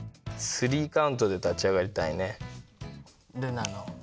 スリーカウントで立ち上がりたいね。